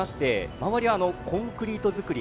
周りはコンクリート造り